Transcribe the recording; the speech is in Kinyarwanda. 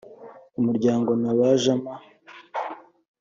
umuryango n’abajama